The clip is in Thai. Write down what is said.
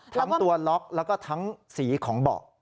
ทั้งตัวล็อกแล้วก็ทั้งสีของเบาะ